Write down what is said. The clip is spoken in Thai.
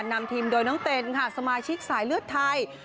นำทีมโดยน้องเต็นค่ะสมาชิกสายเลือดไทย